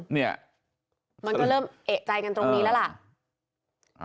เนี่ยมันก็เริ่มเอกใจกันตรงนี้แล้วล่ะ